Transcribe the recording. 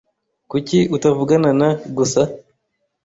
Kuki utavugana na gusa?